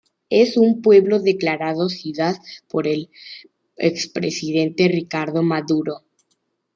Es un pueblo declarado ciudad por el expresidente Ricardo Maduro.